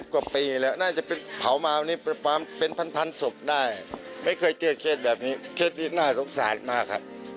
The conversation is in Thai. ๑๐กว่าปีแล้วน่าจะเป็นเผามาวนี้เปลยาเป็นทันทานศพได้ไม่เคยเจอเครตแบบนี้เครตนี้น่าสงสารมาก